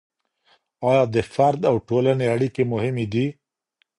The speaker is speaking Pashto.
آيا د فرد او ټولني اړيکي مهمې دي؟